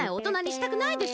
したくない！